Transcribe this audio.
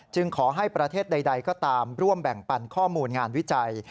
ขอให้ประเทศใดก็ตามร่วมแบ่งปันข้อมูลงานวิจัย